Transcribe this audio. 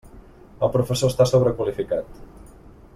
El professorat està sobrequalificat.